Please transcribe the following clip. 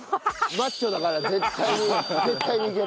マッチョだから絶対に絶対にいける！